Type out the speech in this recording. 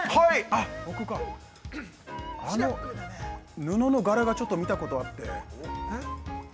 あの布の柄がちょっと見たことがあって。